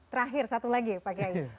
terakhir satu lagi pak kiai